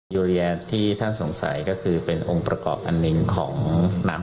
โยเรียที่ท่านสงสัยก็คือเป็นองค์ประกอบอันหนึ่งของน้ำ